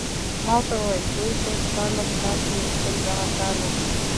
ما ورته وویل دوی په شپاړس کال کې یو ځل دغه کار وکړ.